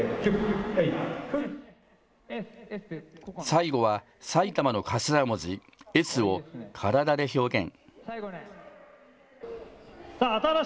最後は埼玉の頭文字、Ｓを体で表現。